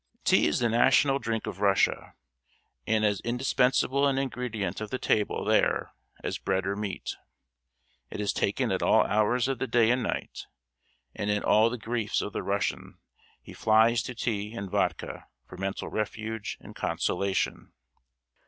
Tea is the national drink of Russia, and as indispensable an ingredient of the table there as bread or meat. It is taken at all hours of the day and night, and in all the griefs of the Russian he flies to tea and vodka for mental refuge and consolation.